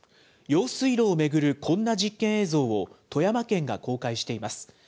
用水路を巡るこんな実験映像を、富山県が公開しています。